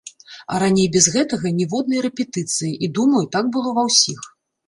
А раней без гэтага ніводнай рэпетыцыі, і, думаю, так было ва ўсіх.